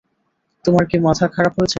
তোমার কি মাথা খারাপ হয়েছে?